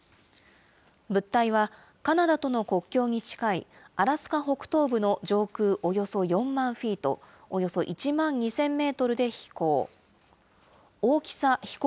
物体はカナダとの国境に近い、アラスカ北東部の上空およそ４万フィート、およそ１万２０００メートルで飛行。